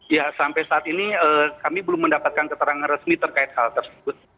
ya sampai saat ini kami belum mendapatkan keterangan resmi terkait hal tersebut